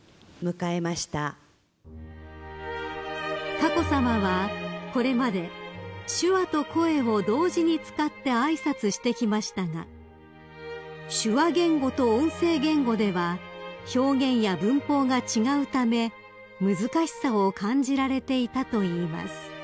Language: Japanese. ［佳子さまはこれまで手話と声を同時に使って挨拶してきましたが手話言語と音声言語では表現や文法が違うため難しさを感じられていたといいます］